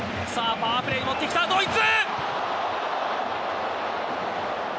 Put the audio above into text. パワープレーにもってきたドイツ。